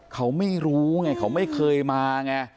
เค้าไม่รู้เค้าไม่เคยมาไง